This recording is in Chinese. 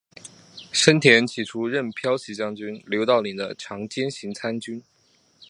申恬起初任骠骑将军刘道邻的长兼行参军。